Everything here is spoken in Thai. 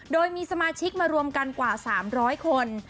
โดยมีสมาชิกมารวมกันกว่า๓๐๐คน